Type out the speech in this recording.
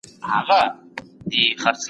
موږ بايد خپل عزت په عمل کي ښکاره کړو.